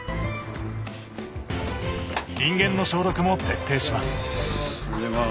人間の消毒も徹底します。